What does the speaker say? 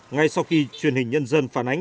ngay sau khi truyền hình nhân dân phản ánh